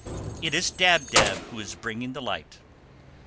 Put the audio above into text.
"It is Dab Dab who is bringing the light."